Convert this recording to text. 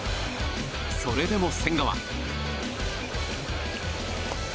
それでも千賀は。